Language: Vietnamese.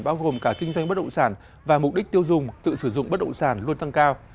bao gồm cả kinh doanh bất động sản và mục đích tiêu dùng tự sử dụng bất động sản luôn tăng cao